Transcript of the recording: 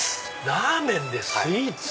ラーメンでスイーツ？